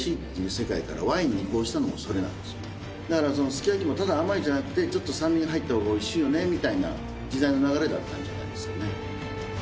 世界からワインに移行したのもそれなんですよねだからすき焼きもただ甘いじゃなくてちょっと酸味が入ったほうがおいしいよねみたいな時代の流れだったんじゃないですかね